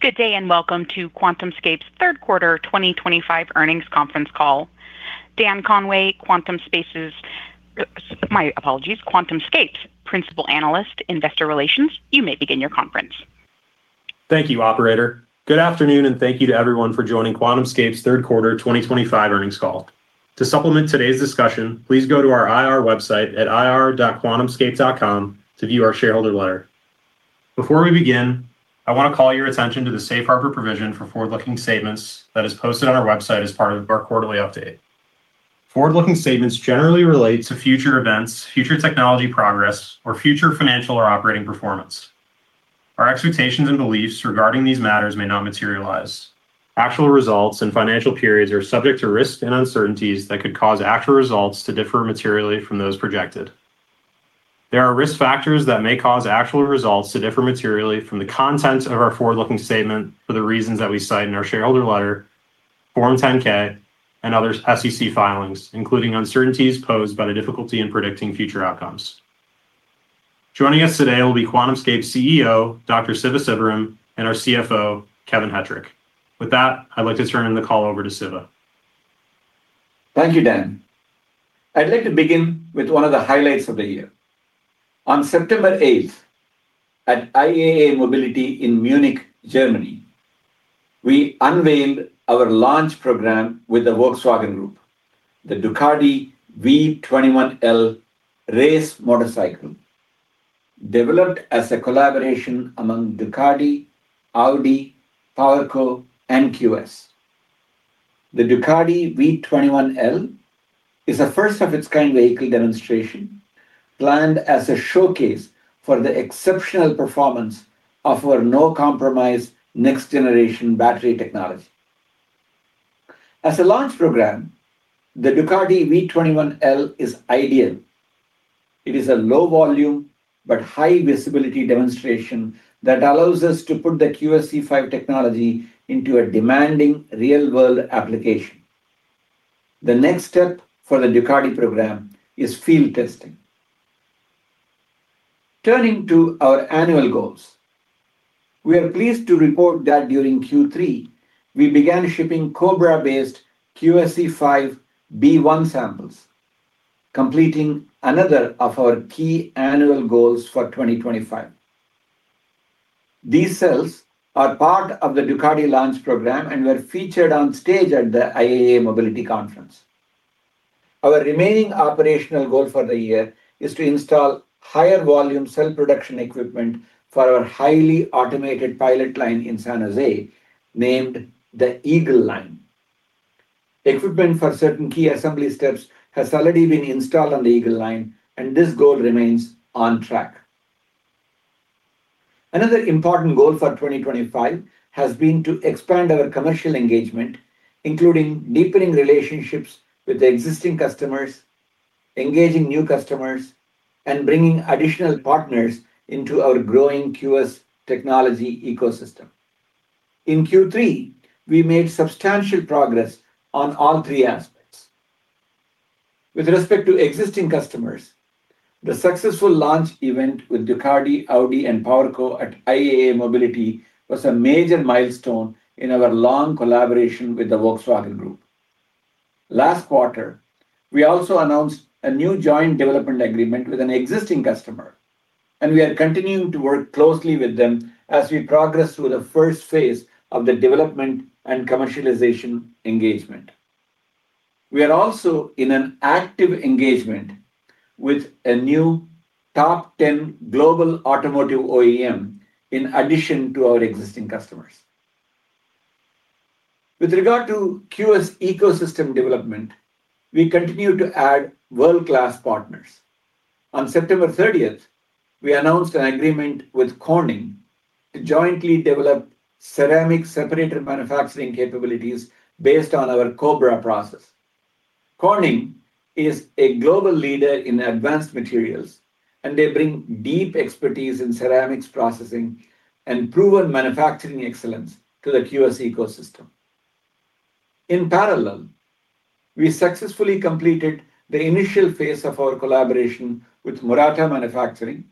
Good day and welcome to QuantumScape's third quarter 2025 earnings conference call. Dan Conway, QuantumScape's Principal Analyst, Investor Relations, you may begin your conference. Thank you, operator. Good afternoon and thank you to everyone for joining QuantumScape's third quarter 2025 earnings call. To supplement today's discussion, please go to our IR website at ir.quantumscape.com to view our shareholder letter. Before we begin, I want to call your attention to the safe harbor provision for forward-looking statements that is posted on our website as part of our quarterly update. Forward-looking statements generally relate to future events, future technology progress, or future financial or operating performance. Our expectations and beliefs regarding these matters may not materialize. Actual results and financial periods are subject to risks and uncertainties that could cause actual results to differ materially from those projected. There are risk factors that may cause actual results to differ materially from the contents of our forward-looking statement for the reasons that we cite in our shareholder letter, Form 10-K, and other SEC filings, including uncertainties posed by the difficulty in predicting future outcomes. Joining us today will be QuantumScape's CEO, Dr. Siva Sivaram, and our CFO, Kevin Hettrich. With that, I'd like to turn the call over to Siva. Thank you, Dan. I'd like to begin with one of the highlights of the year. On September 8th, at IAA Mobility in Munich, Germany, we unveiled our launch program with the Volkswagen Group, the Ducati V21L race motorcycle, developed as a collaboration among Ducati, Audi, PowerCo, and QS. The Ducati V21L is a first-of-its-kind vehicle demonstration planned as a showcase for the exceptional performance of our no-compromise next-generation battery technology. As a launch program, the Ducati V21L is ideal. It is a low-volume but high-visibility demonstration that allows us to put the QSC5 technology into a demanding real-world application. The next step for the Ducati program is field testing. Turning to our annual goals, we are pleased to report that during Q3, we began shipping Cobra-based QSC5 B1 samples, completing another of our key annual goals for 2025. These cells are part of the Ducati launch program and were featured on stage at the IAA Mobility Conference. Our remaining operational goal for the year is to install higher-volume cell production equipment for our highly automated pilot line in San Jose, named the Eagle Line. Equipment for certain key assembly steps has already been installed on the Eagle Line, and this goal remains on track. Another important goal for 2025 has been to expand our commercial engagement, including deepening relationships with existing customers, engaging new customers, and bringing additional partners into our growing QS technology ecosystem. In Q3, we made substantial progress on all three aspects. With respect to existing customers, the successful launch event with Ducati, Audi, and PowerCo at IAA Mobility was a major milestone in our long collaboration with the Volkswagen Group. Last quarter, we also announced a new joint development agreement with an existing customer, and we are continuing to work closely with them as we progress through the first phase of the development and commercialization engagement. We are also in an active engagement with a new top 10 global automotive OEM in addition to our existing customers. With regard to QS ecosystem development, we continue to add world-class partners. On September 30th, we announced an agreement with Corning to jointly develop ceramic separator manufacturing capabilities based on our Cobra process. Corning is a global leader in advanced materials, and they bring deep expertise in ceramics processing and proven manufacturing excellence to the QS ecosystem. In parallel, we successfully completed the initial phase of our collaboration with Murata Manufacturing,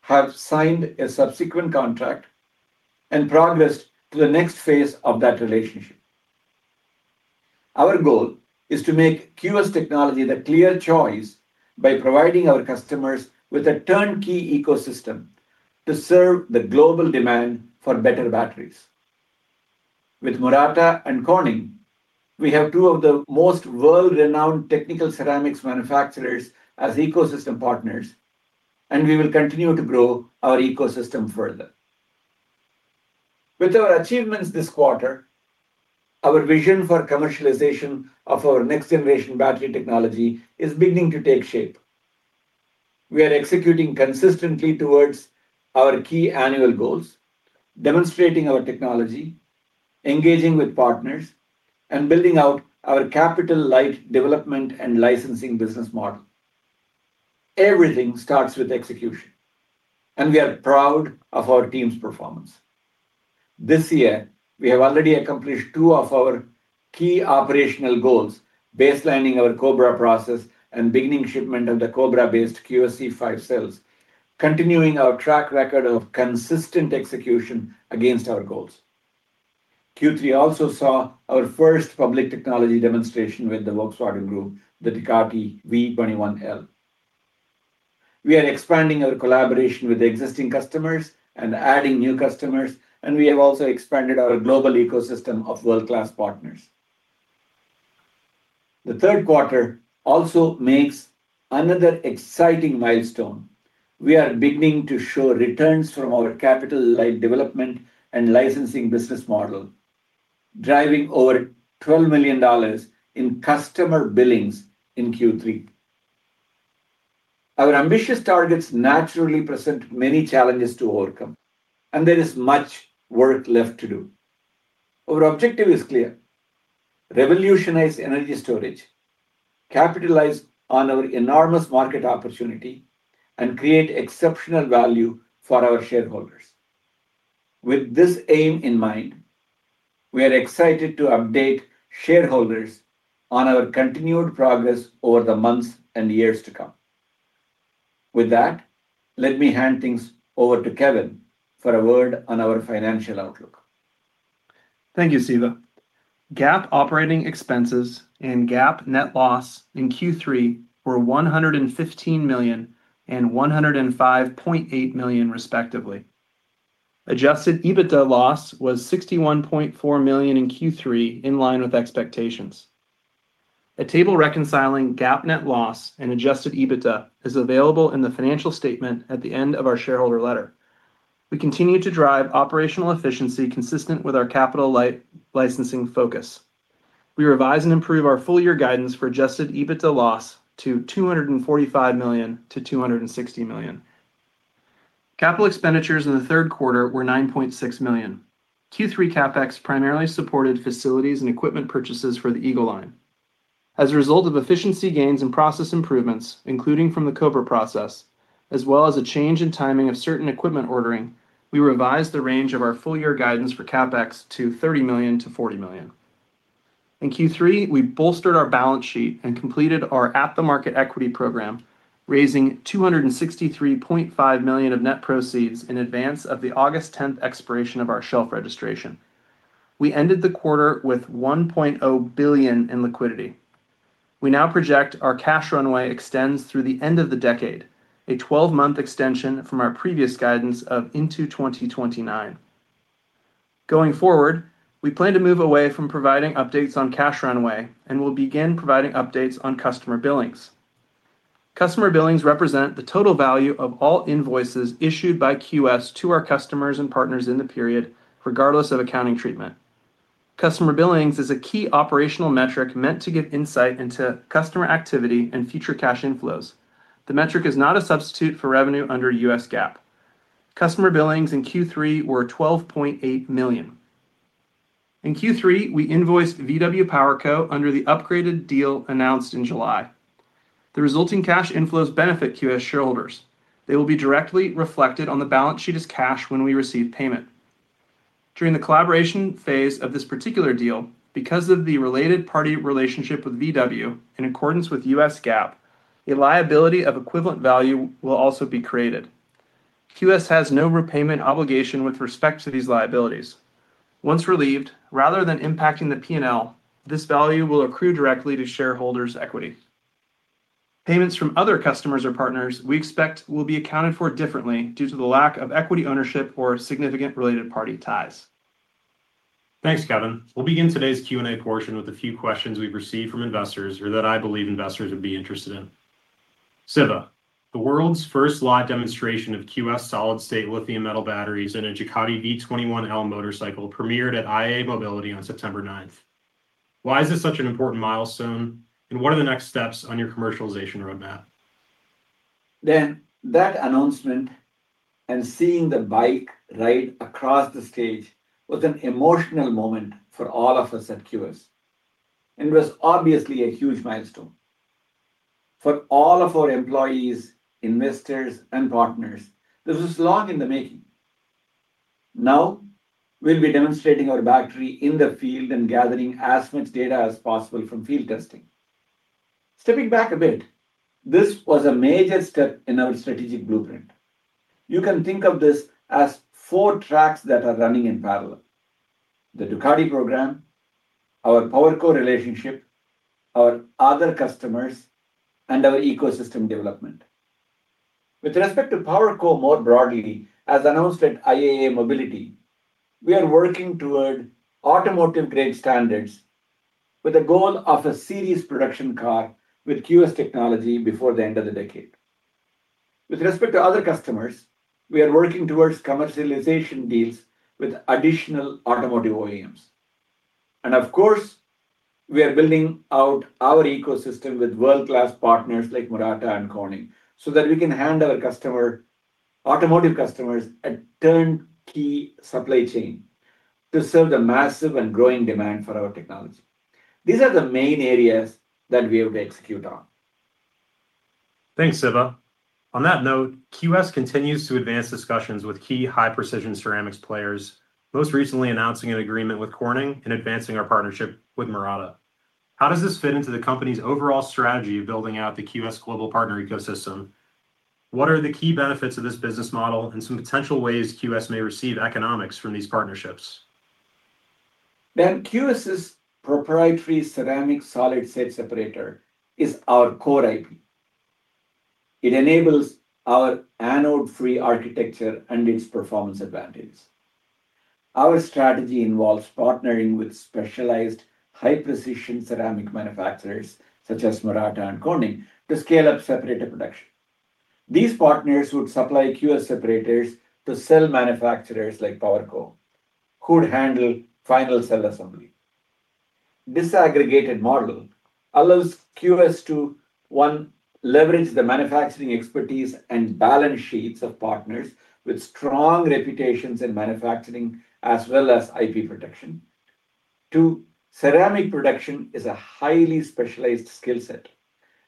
have signed a subsequent contract, and progressed to the next phase of that relationship. Our goal is to make QS technology the clear choice by providing our customers with a turnkey ecosystem to serve the global demand for better batteries. With Murata and Corning, we have two of the most world-renowned technical ceramics manufacturers as ecosystem partners, and we will continue to grow our ecosystem further. With our achievements this quarter, our vision for commercialization of our next-generation battery technology is beginning to take shape. We are executing consistently towards our key annual goals, demonstrating our technology, engaging with partners, and building out our capital-light development and licensing business model. Everything starts with execution, and we are proud of our team's performance. This year, we have already accomplished two of our key operational goals, baselining our Cobra process and beginning shipment of the Cobra-based QSC5 cells, continuing our track record of consistent execution against our goals. Q3 also saw our first public technology demonstration with the Volkswagen Group, the Ducati V21L. We are expanding our collaboration with existing customers and adding new customers, and we have also expanded our global ecosystem of world-class partners. The third quarter also marks another exciting milestone. We are beginning to show returns from our capital-light development and licensing business model, driving over $12 million in customer billings in Q3. Our ambitious targets naturally present many challenges to overcome, and there is much work left to do. Our objective is clear: revolutionize energy storage, capitalize on our enormous market opportunity, and create exceptional value for our shareholders. With this aim in mind, we are excited to update shareholders on our continued progress over the months and years to come. With that, let me hand things over to Kevin for a word on our financial outlook. Thank you, Siva. GAAP operating expenses and GAAP net loss in Q3 were $115 million and $105.8 million, respectively. Adjusted EBITDA loss was $61.4 million in Q3, in line with expectations. A table reconciling GAAP net loss and adjusted EBITDA is available in the financial statement at the end of our shareholder letter. We continue to drive operational efficiency consistent with our capital-light licensing focus. We revise and improve our full-year guidance for adjusted EBITDA loss to $245 million-$260 million. Capital expenditures in the third quarter were $9.6 million. Q3 CapEx primarily supported facilities and equipment purchases for the Eagle Line. As a result of efficiency gains and process improvements, including from the COBRA separator process, as well as a change in timing of certain equipment ordering, we revised the range of our full-year guidance for CapEx to $30 million-$40 million. In Q3, we bolstered our balance sheet and completed our at-the-market equity program, raising $263.5 million of net proceeds in advance of the August 10 expiration of our shelf registration. We ended the quarter with $1.0 billion in liquidity. We now project our cash runway extends through the end of the decade, a 12-month extension from our previous guidance of into 2029. Going forward, we plan to move away from providing updates on cash runway and will begin providing updates on customer billings. Customer billings represent the total value of all invoices issued by QuantumScape to our customers and partners in the period, regardless of accounting treatment. Customer billings is a key operational metric meant to give insight into customer activity and future cash inflows. The metric is not a substitute for revenue under U.S. GAAP. Customer billings in Q3 were $12.8 million. In Q3, we invoiced Volkswagen Group PowerCo under the upgraded deal announced in July. The resulting cash inflows benefit QuantumScape shareholders. They will be directly reflected on the balance sheet as cash when we receive payment. During the collaboration phase of this particular deal, because of the related party relationship with Volkswagen Group, in accordance with U.S. GAAP, a liability of equivalent value will also be created. QuantumScape has no repayment obligation with respect to these liabilities. Once relieved, rather than impacting the P&L, this value will accrue directly to shareholders' equity. Payments from other customers or partners we expect will be accounted for differently due to the lack of equity ownership or significant related party ties. Thanks, Kevin. We'll begin today's Q&A portion with a few questions we've received from investors or that I believe investors would be interested in. Siva, the world's first live demonstration of QS solid-state lithium metal batteries in a Ducati V21L motorcycle premiered at IAA Mobility on September 9. Why is this such an important milestone, and what are the next steps on your commercialization roadmap? That announcement and seeing the bike ride across the stage was an emotional moment for all of us at QuantumScape, and it was obviously a huge milestone. For all of our employees, investors, and partners, this was long in the making. Now, we'll be demonstrating our battery in the field and gathering as much data as possible from field testing. Stepping back a bit, this was a major step in our strategic blueprint. You can think of this as four tracks that are running in parallel: the Ducati program, our PowerCo relationship, our other customers, and our ecosystem development. With respect to PowerCo more broadly, as announced at IAA Mobility, we are working toward automotive-grade standards with a goal of a series production car with QuantumScape technology before the end of the decade. With respect to other customers, we are working towards commercialization deals with additional automotive OEMs. Of course, we are building out our ecosystem with world-class partners like Murata Manufacturing and Corning so that we can hand our customers, automotive customers, a turnkey supply chain to serve the massive and growing demand for our technology. These are the main areas that we have to execute on. Thanks, Siva. On that note, QuantumScape continues to advance discussions with key high-precision ceramics players, most recently announcing an agreement with Corning and advancing our partnership with Murata Manufacturing. How does this fit into the company's overall strategy of building out the QuantumScape global partner ecosystem? What are the key benefits of this business model and some potential ways QuantumScape may receive economics from these partnerships? QuantumScape's proprietary ceramic solid-state separator is our core IP. It enables our anode-free architecture and its performance advantages. Our strategy involves partnering with specialized high-precision ceramic manufacturers such as Murata Manufacturing and Corning to scale up separator production. These partners would supply QuantumScape separators to cell manufacturers like PowerCo, who would handle final cell assembly. This aggregated model allows QuantumScape to, one, leverage the manufacturing expertise and balance sheets of partners with strong reputations in manufacturing as well as IP protection. Two, ceramic production is a highly specialized skill set,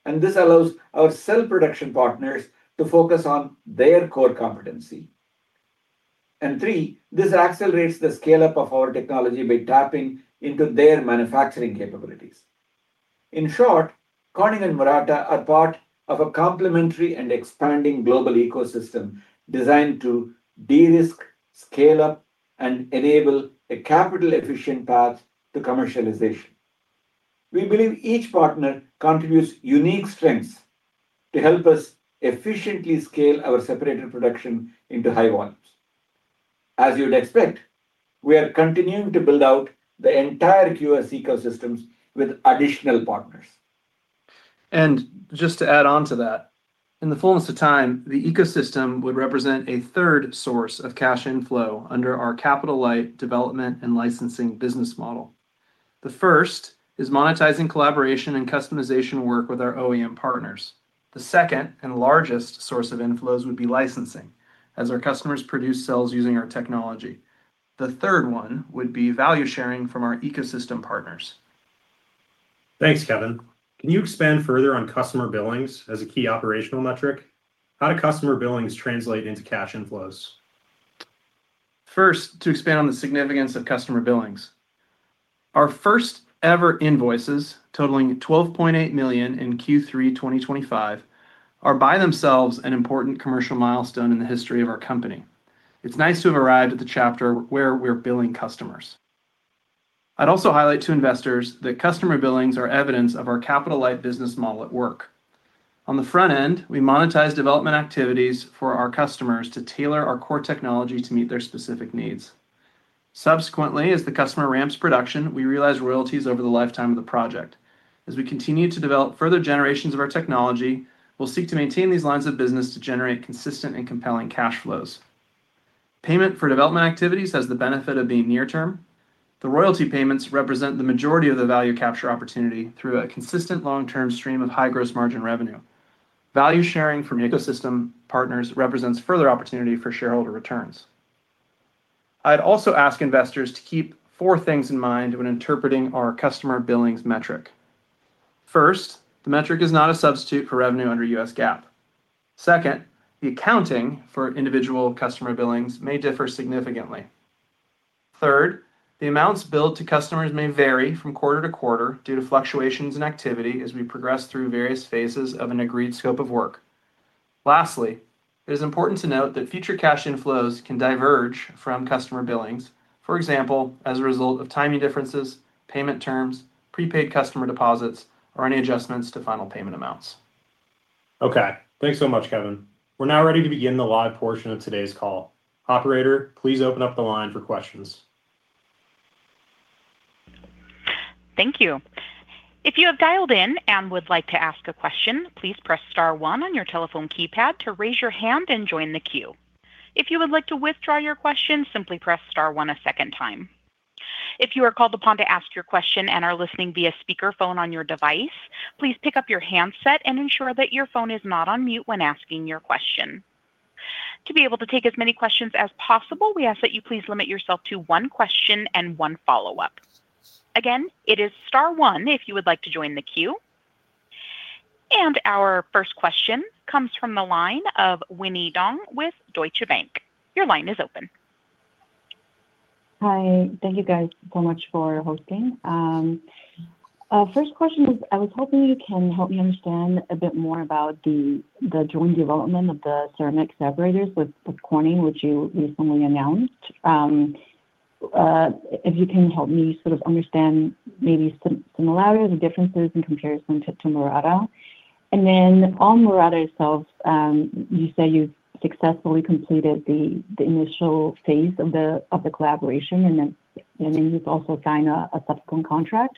and this allows our cell production partners to focus on their core competency. Three, this accelerates the scale-up of our technology by tapping into their manufacturing capabilities. In short, Corning and Murata Manufacturing are part of a complementary and expanding global ecosystem designed to de-risk, scale up, and enable a capital-efficient path to commercialization. We believe each partner contributes unique strengths to help us efficiently scale our separator production into high volumes. As you'd expect, we are continuing to build out the entire QuantumScape ecosystem with additional partners. In the fullness of time, the ecosystem would represent a third source of cash inflow under our capital-light development and licensing business model. The first is monetizing collaboration and customization work with our OEM partners. The second and largest source of inflows would be licensing, as our customers produce cells using our technology. The third one would be value sharing from our ecosystem partners. Thanks, Kevin. Can you expand further on customer billings as a key operational metric? How do customer billings translate into cash inflows? First, to expand on the significance of customer billings, our first ever invoices totaling $12.8 million in Q3 2025 are by themselves an important commercial milestone in the history of our company. It's nice to have arrived at the chapter where we're billing customers. I'd also highlight to investors that customer billings are evidence of our capital-light business model at work. On the front end, we monetize development activities for our customers to tailor our core technology to meet their specific needs. Subsequently, as the customer ramps production, we realize royalties over the lifetime of the project. As we continue to develop further generations of our technology, we'll seek to maintain these lines of business to generate consistent and compelling cash flows. Payment for development activities has the benefit of being near-term. The royalty payments represent the majority of the value capture opportunity through a consistent long-term stream of high gross margin revenue. Value sharing from ecosystem partners represents further opportunity for shareholder returns. I'd also ask investors to keep four things in mind when interpreting our customer billings metric. First, the metric is not a substitute for revenue under U.S. GAAP. Second, the accounting for individual customer billings may differ significantly. Third, the amounts billed to customers may vary from quarter to quarter due to fluctuations in activity as we progress through various phases of an agreed scope of work. Lastly, it is important to note that future cash inflows can diverge from customer billings, for example, as a result of timing differences, payment terms, prepaid customer deposits, or any adjustments to final payment amounts. Okay, thanks so much, Kevin. We're now ready to begin the live portion of today's call. Operator, please open up the line for questions. Thank you. If you have dialed in and would like to ask a question, please press star one on your telephone keypad to raise your hand and join the queue. If you would like to withdraw your question, simply press star one a second time. If you are called upon to ask your question and are listening via speakerphone on your device, please pick up your handset and ensure that your phone is not on mute when asking your question. To be able to take as many questions as possible, we ask that you please limit yourself to one question and one follow-up. Again, it is star one if you would like to join the queue. Our first question comes from the line of Winnie Dong with Deutsche Bank. Your line is open. Hi, thank you guys so much for hosting. First question is, I was hoping you can help me understand a bit more about the joint development of the ceramic separators with Corning, which you recently announced. If you can help me sort of understand maybe some similarities or differences in comparison to Murata. On Murata itself, you say you've successfully completed the initial phase of the collaboration, and you've also signed a subsequent contract.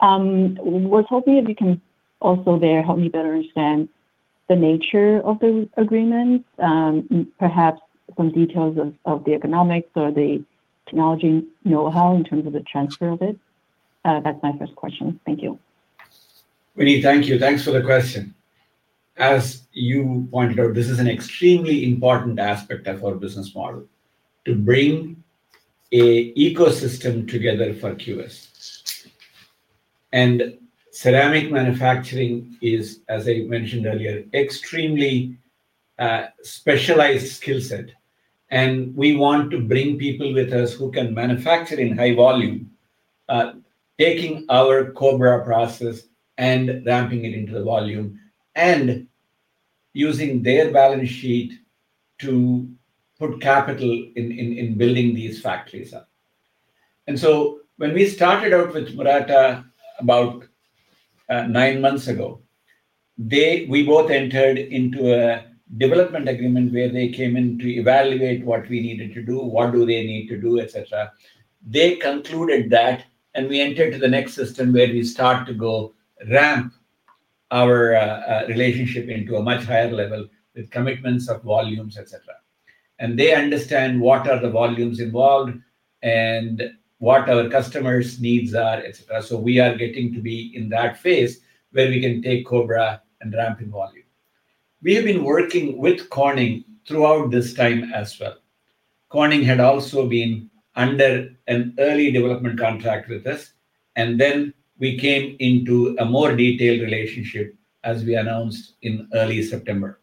I was hoping if you can also there help me better understand the nature of the agreement, perhaps some details of the economics or the technology know-how in terms of the transfer of it. That's my first question. Thank you. Winnie, thank you. Thanks for the question. As you pointed out, this is an extremely important aspect of our business model to bring an ecosystem together for QS. Ceramic manufacturing is, as I mentioned earlier, an extremely specialized skill set. We want to bring people with us who can manufacture in high volume, taking our Cobra process and ramping it into the volume and using their balance sheet to put capital in building these factories up. When we started out with Murata about nine months ago, we both entered into a development agreement where they came in to evaluate what we needed to do, what do they need to do, et cetera. They concluded that, and we entered to the next system where we start to go ramp our relationship into a much higher level with commitments of volumes, et cetera. They understand what are the volumes involved and what our customers' needs are, et cetera. We are getting to be in that phase where we can take Cobra and ramp in volume. We have been working with Corning throughout this time as well. Corning had also been under an early development contract with us, and then we came into a more detailed relationship as we announced in early September.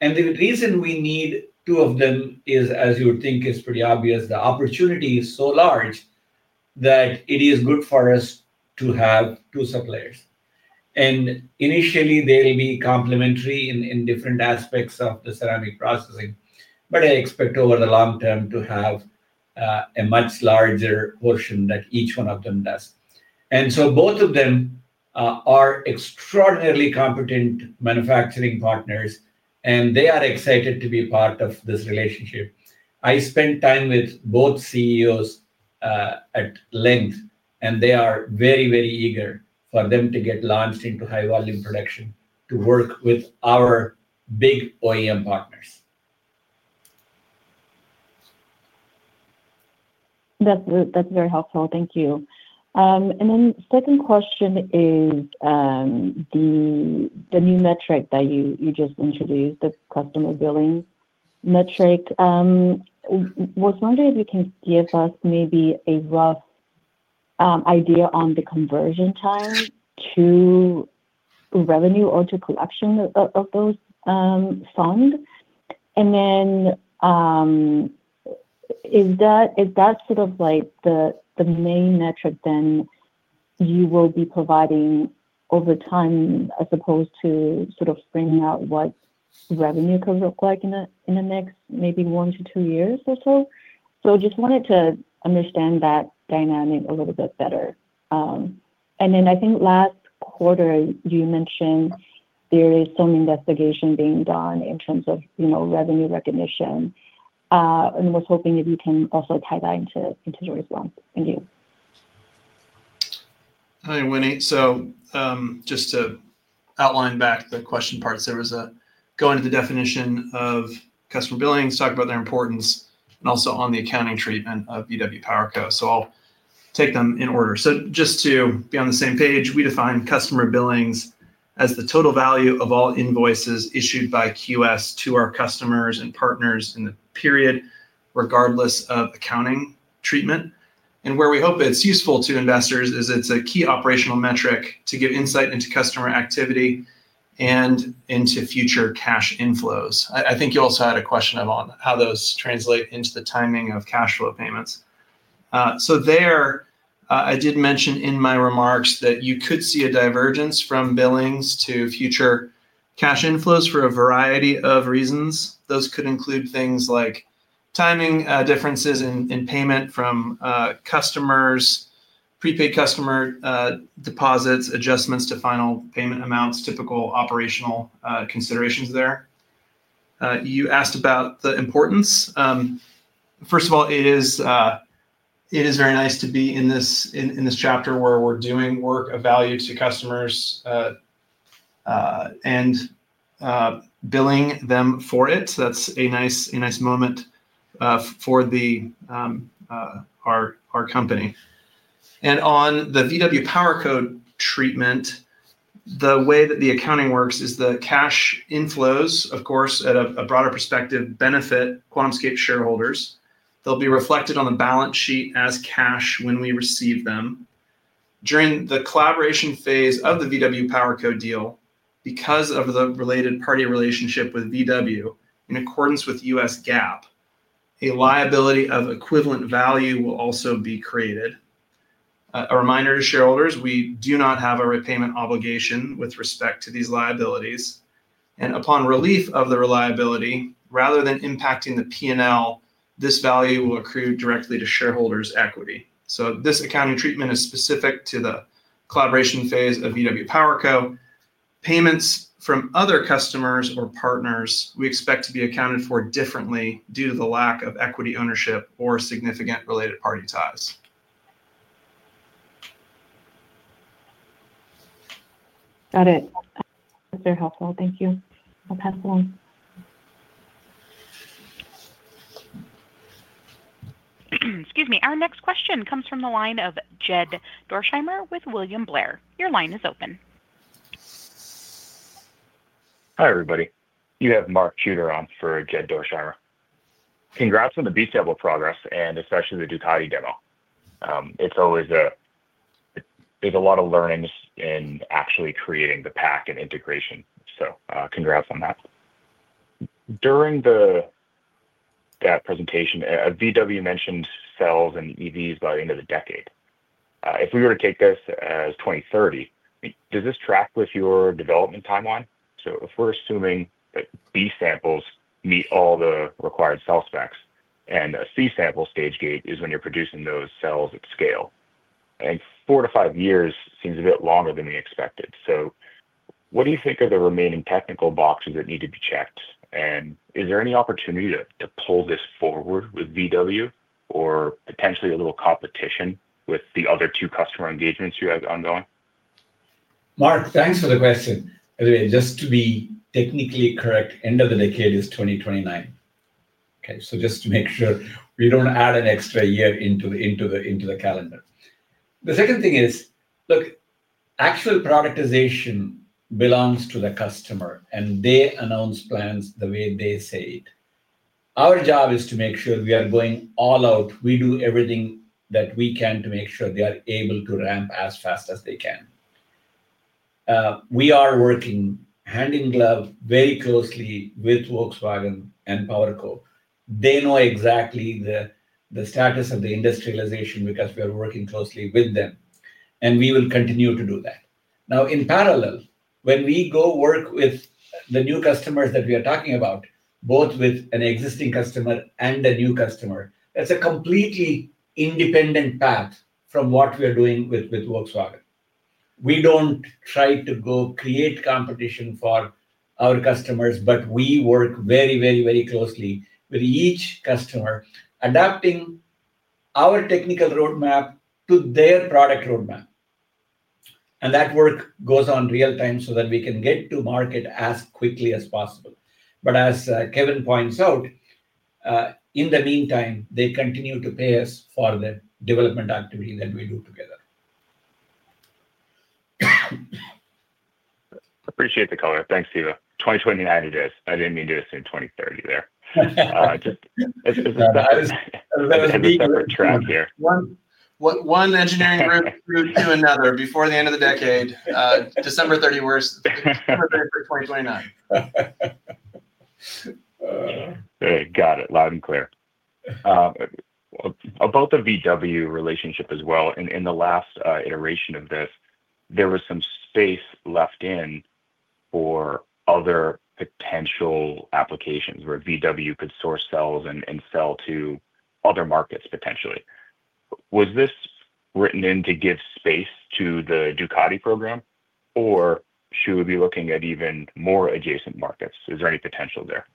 The reason we need two of them is, as you would think, is pretty obvious. The opportunity is so large that it is good for us to have two suppliers and initially they'll be complementary in different aspects of the ceramic processing. I expect over the long term to have a much larger portion that each one of them does. Both of them are extraordinarily competent manufacturing partners, and they are excited to be part of this relationship. I spent time with both CEOs at length, and they are very, very eager for them to get launched into high volume production to work with our big OEM partners. That's very helpful. Thank you. The second question is the new metric that you just introduced, the customer billings metric. I was wondering if you can give us maybe a rough idea on the conversion time to revenue or to collection of those funds. Is that sort of like the main metric you will be providing over time as opposed to sort of framing out what revenue could look like in the next maybe one to two years or so? I just wanted to understand that dynamic a little bit better. I think last quarter you mentioned there is some investigation being done in terms of revenue recognition and was hoping if you can also tie that into your response. Thank you. Hi Winnie. Just to outline back the question parts, there was a go into the definition of customer billings, talk about their importance, and also on the accounting treatment of VW PowerCo. I'll take them in order. Just to be on the same page, we define customer billings as the total value of all invoices issued by QuantumScape to our customers and partners in the period, regardless of accounting treatment. Where we hope it's useful to investors is it's a key operational metric to give insight into customer activity and into future cash inflows. I think you also had a question on how those translate into the timing of cash flow payments. I did mention in my remarks that you could see a divergence from billings to future cash inflows for a variety of reasons. Those could include things like timing differences in payment from customers, prepaid customer deposits, adjustments to final payment amounts, typical operational considerations there. You asked about the importance. First of all, it is very nice to be in this chapter where we're doing work of value to customers and billing them for it. That's a nice moment for our company. On the VW PowerCo treatment, the way that the accounting works is the cash inflows, of course, at a broader perspective benefit QuantumScape shareholders. They'll be reflected on the balance sheet as cash when we receive them. During the collaboration phase of the VW PowerCo deal, because of the related party relationship with VW, in accordance with U.S. GAAP, a liability of equivalent value will also be created. A reminder to shareholders, we do not have a repayment obligation with respect to these liabilities. Upon relief of the liability, rather than impacting the P&L, this value will accrue directly to shareholders' equity. This accounting treatment is specific to the collaboration phase of VW PowerCo. Payments from other customers or partners we expect to be accounted for differently due to the lack of equity ownership or significant related party ties. Got it. That's very helpful. Thank you. I'll pass it along. Excuse me. Our next question comes from the line of Jed Dorsheimer with William Blair. Your line is open. Hi everybody. You have Mark Shooter on for Jed Dorsheimer. Congrats on the B-set with progress and especially the Ducati demo. It's always a, there's a lot of learnings in actually creating the pack and integration. Congrats on that. During that presentation, Volkswagen Group mentioned cells and EVs by the end of the decade. If we were to take this as 2030, does this track with your development timeline? If we're assuming that B samples meet all the required cell specs and a C sample stage gate is when you're producing those cells at scale, I think four to five years seems a bit longer than we expected. What do you think are the remaining technical boxes that need to be checked? Is there any opportunity to pull this forward with Volkswagen Group or potentially a little competition with the other two customer engagements you have ongoing? Mark, thanks for the question. Anyway, just to be technically correct, end of the decade is 2029. Okay, just to make sure we don't add an extra year into the calendar. The second thing is, look, actual productization belongs to the customer and they announce plans the way they say it. Our job is to make sure we are going all out. We do everything that we can to make sure they are able to ramp as fast as they can. We are working hand-in-glove very closely with Volkswagen and PowerCo. They know exactly the status of the industrialization because we are working closely with them. We will continue to do that. Now, in parallel, when we go work with the new customers that we are talking about, both with an existing customer and a new customer, that's a completely independent path from what we are doing with Volkswagen. We don't try to go create competition for our customers, but we work very, very, very closely with each customer, adapting our technical roadmap to their product roadmap. That work goes on real time so that we can get to market as quickly as possible. As Kevin points out, in the meantime, they continue to pay us for the development activity that we do together. Appreciate the comment. Thanks, Siva. 2029 you did this. I didn't mean to do this in 2030 there. I was being on different track here. One engineering group through to another before the end of the decade. December 30, we're preparing for 2029. Got it. Loud and clear. About the Volkswagen Group relationship as well, in the last iteration of this, there was some space left in for other potential applications where Volkswagen Group could source cells and sell to other markets potentially. Was this written in to give space to the Ducati program, or should we be looking at even more adjacent markets? Is there any potential there?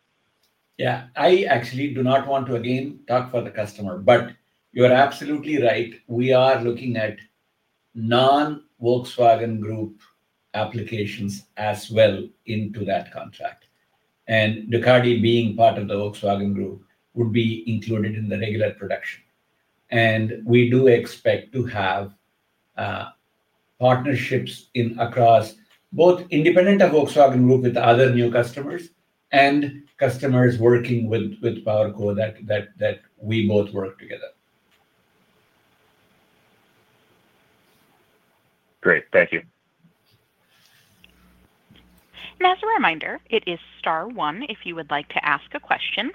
Yeah, I actually do not want to again talk for the customer, but you are absolutely right. We are looking at non-Volkswagen Group applications as well into that contract. Ducati being part of the Volkswagen Group would be included in the regular production. We do expect to have partnerships across both independent of Volkswagen Group with other new customers and customers working with PowerCo that we both work together. Great. Thank you. As a reminder, it is star one if you would like to ask a question.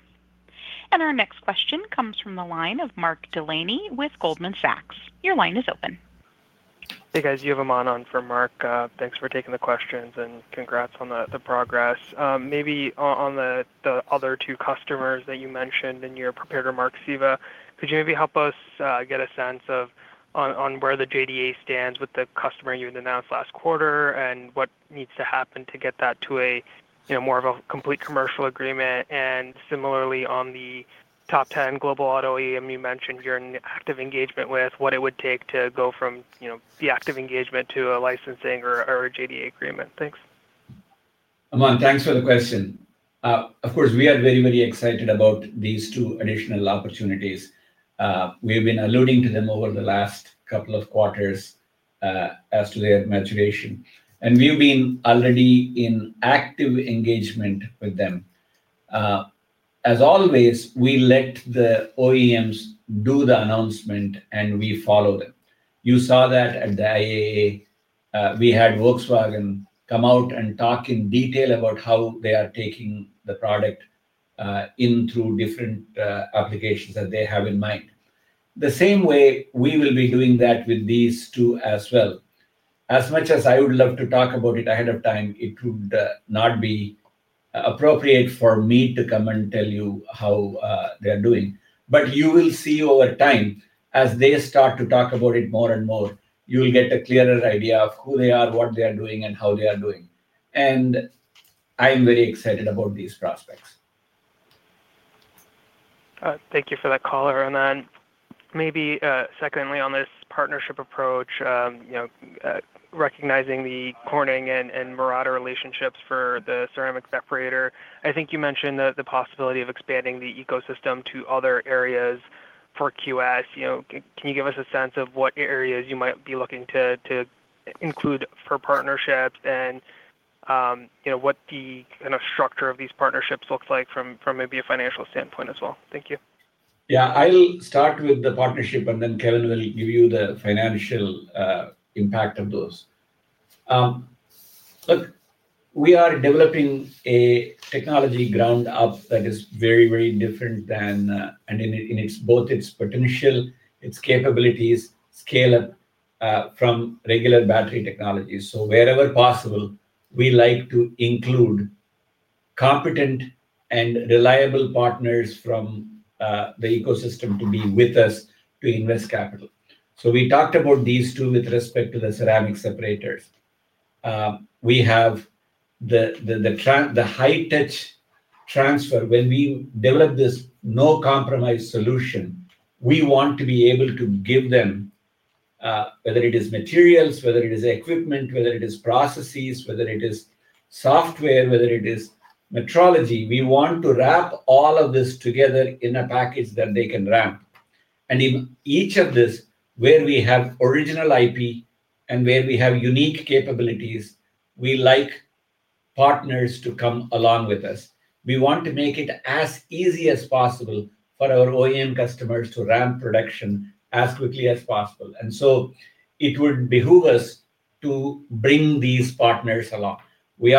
Our next question comes from the line of Mark Delaney with Goldman Sachs. Your line is open. Hey guys, you have Aman on for Mark. Thanks for taking the questions and congrats on the progress. Maybe on the other two customers that you mentioned in your prepared remark, Siva, could you maybe help us get a sense of on where the JDA stands with the customer you announced last quarter and what needs to happen to get that to a more of a complete commercial agreement? Similarly, on the top 10 global automotive OEM you mentioned, you're in active engagement with what it would take to go from the active engagement to a licensing or a JDA agreement. Thanks. Aman, thanks for the question. Of course, we are very, very excited about these two additional opportunities. We've been alluding to them over the last couple of quarters as to their maturation. We've been already in active engagement with them. As always, we let the OEMs do the announcement and we follow them. You saw that at the IAA. We had Volkswagen come out and talk in detail about how they are taking the product in through different applications that they have in mind. The same way we will be doing that with these two as well. As much as I would love to talk about it ahead of time, it would not be appropriate for me to come and tell you how they are doing. You will see over time as they start to talk about it more and more, you'll get a clearer idea of who they are, what they are doing, and how they are doing. I'm very excited about these prospects. Thank you for that, Aman. Maybe secondly on this partnership approach, recognizing the Corning and Murata Manufacturing relationships for the ceramic separator, I think you mentioned the possibility of expanding the ecosystem to other areas for QuantumScape. Can you give us a sense of what areas you might be looking to include for partnerships and what the kind of structure of these partnerships looks like from maybe a financial standpoint as well? Thank you. Yeah, I'll start with the partnership and then Kevin will give you the financial impact of those. Look, we are developing a technology ground up that is very, very different than and in both its potential, its capabilities, scale up from regular battery technologies. Wherever possible, we like to include competent and reliable partners from the ecosystem to be with us to invest capital. We talked about these two with respect to the ceramic separators. We have the high-touch transfer. When we develop this no-compromise solution, we want to be able to give them, whether it is materials, whether it is equipment, whether it is processes, whether it is software, whether it is metrology, we want to wrap all of this together in a package that they can ramp. In each of this, where we have original IP and where we have unique capabilities, we like partners to come along with us. We want to make it as easy as possible for our OEM customers to ramp production as quickly as possible. It would behoove us to bring these partners along. We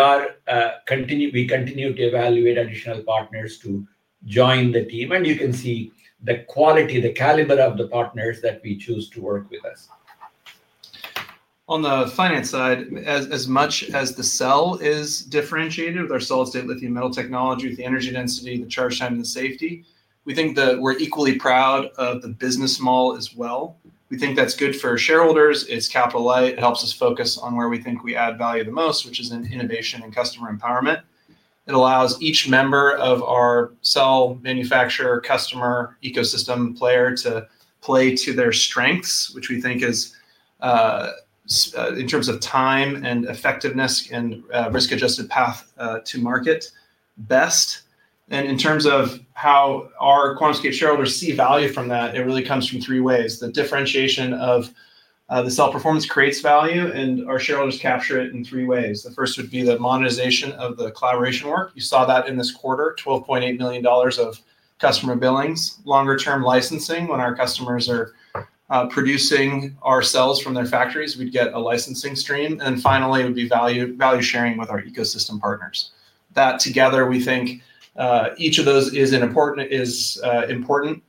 continue to evaluate additional partners to join the team. You can see the quality, the caliber of the partners that we choose to work with us. On the finance side, as much as the cell is differentiated with our solid-state lithium metal technology, the energy density, the charge time, and the safety, we think that we're equally proud of the business model as well. We think that's good for shareholders. It's capital light. It helps us focus on where we think we add value the most, which is in innovation and customer empowerment. It allows each member of our cell manufacturer customer ecosystem player to play to their strengths, which we think is in terms of time and effectiveness and risk-adjusted path to market best. In terms of how our QuantumScape shareholders see value from that, it really comes from three ways. The differentiation of the cell performance creates value, and our shareholders capture it in three ways. The first would be the monetization of the collaboration work. You saw that in this quarter, $12.8 million of customer billings. Longer-term licensing, when our customers are producing our cells from their factories, we'd get a licensing stream. Finally, it would be value sharing with our ecosystem partners. That together, we think each of those is important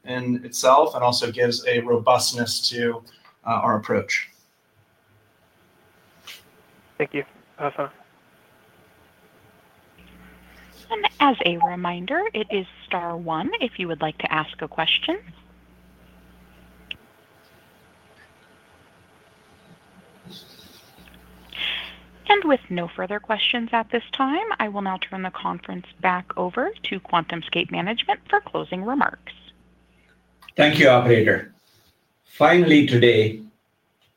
in itself and also gives a robustness to our approach. Thank you. As a reminder, it is star one if you would like to ask a question. With no further questions at this time, I will now turn the conference back over to QuantumScape Management for closing remarks. Thank you, operator. Finally, today,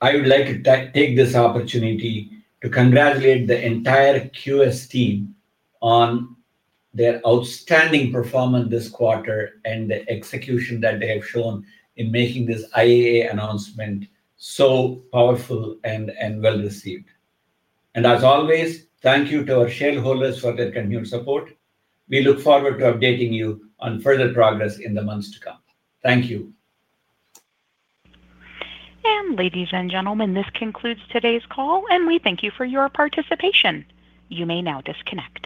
I would like to take this opportunity to congratulate the entire QS team on their outstanding performance this quarter and the execution that they have shown in making this IAA announcement so powerful and well-received. Thank you to our shareholders for their continued support. We look forward to updating you on further progress in the months to come. Thank you. Ladies and gentlemen, this concludes today's call, and we thank you for your participation. You may now disconnect.